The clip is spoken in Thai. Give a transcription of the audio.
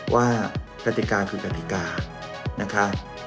ว่าปฏิการคือปฏิการนะคะ